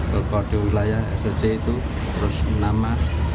kode wilayah soc itu terus nama